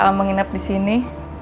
alam menginap di sini